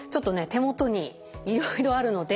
手元にいろいろあるので。